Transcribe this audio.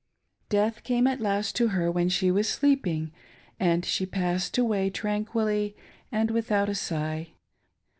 Death came at last to her when she was sleeping, and she passed away tranquilly and without a sigh.